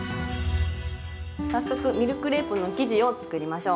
早速ミルクレープの生地を作りましょう。